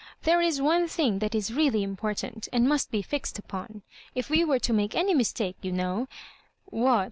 There is one thing that is really important, and must be fixed upon. If we were to make any mistake, you know "What?"